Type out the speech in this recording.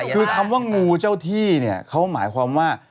คือคำว่างูเจ้าที่เนี่ยเขาหมายความว่า